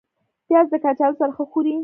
پیاز د کچالو سره ښه خوري